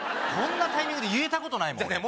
こんなタイミングで言えたことないもん